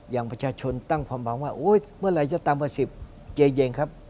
อย่างประชาชนตั้งความบังว่าเฮ้ยเมื่อไหร่จะตามประสิทธิ์เก่งครับ